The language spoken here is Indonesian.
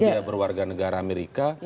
dia warga negara amerika